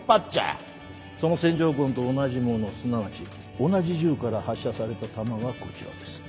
その線条痕と同じものすなわち同じ銃から発射された弾がこちらです。